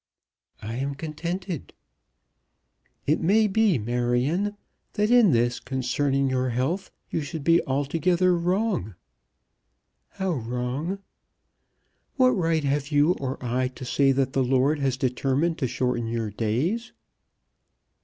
"I am contented." "It may be, Marion, that in this concerning your health you should be altogether wrong." "How wrong?" "What right have you or I to say that the Lord has determined to shorten your days."